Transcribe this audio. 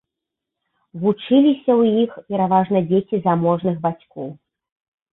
Вучыліся ў іх пераважна дзеці заможных бацькоў.